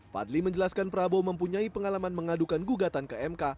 fadli menjelaskan prabowo mempunyai pengalaman mengadukan gugatan ke mk